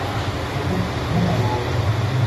Ein echtes Schleckermaul!